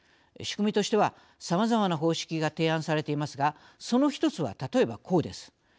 仕組みとしてはさまざまな方式が提案されていますがその一つは例えばこうです。